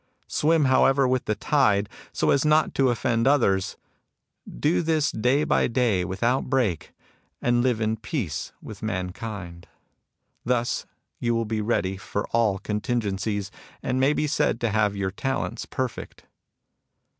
Swim how ever with the tide, so as not to offend others. Do this day by day without break, and live in peace with mankind. Thus you will be ready for all contingencies, and may be said to have your talents perfect."